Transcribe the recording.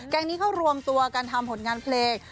นี้เขารวมตัวกันทำผลงานเพลง